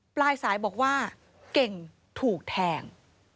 ปลายสายบอกว่าเก่งถูกแทง